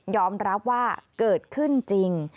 รับว่าเกิดขึ้นจริง